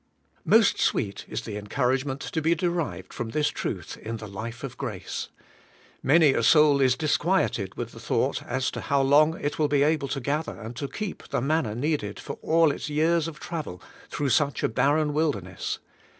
Most sweet is the encouragement to be derived from this truth in the life of grace. Many a soul is dis quieted with the thought as to how it will be able to gather and to keep the manna needed for all its years of travel through such a barren wilderness.